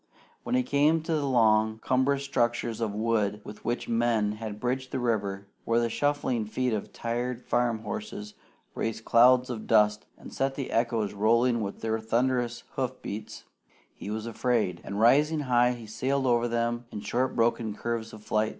When he came to the long cumbrous structures of wood with which men had bridged the river, where the shuffling feet of tired farm horses raised clouds of dust and set the echoes rolling with their thunderous hoof beats, he was afraid; and rising high, he sailed over them in short broken curves of flight.